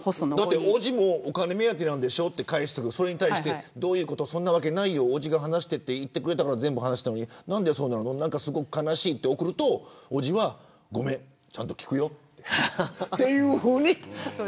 だって、おぢもお金目当てなんでしょと返したけど、それに対してどういうこと、そんなわけないよおぢが話してって言ってくれたから全部話したのに悲しい、と送るとおぢはごめん、ちゃんと聞くよというふうに。